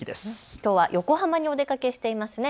きょうは横浜にお出かけしていましたね。